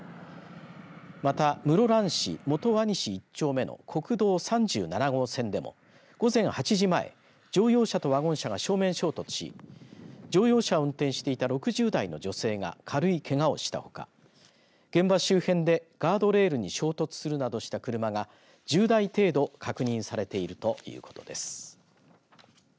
また室蘭市本輪西１丁目の国道３７号線でも、午前８時前乗用車とワゴン車が正面衝突し乗用車を運転していた６０代の女性が軽いけがをしたほか現場周辺でガードレールに衝突するなどした車が１０台程度確認されているということです。